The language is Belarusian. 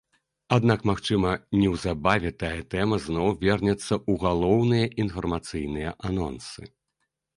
Аднак магчыма неўзабаве тая тэма зноў вернецца ў галоўныя інфармацыйныя анонсы.